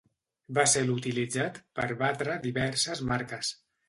Va ser l'utilitzat per batre diverses marques.